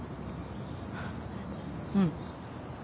うん。